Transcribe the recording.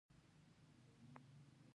د مغزو په ساقه کې د هضمي سیستم مرکز ځای لري.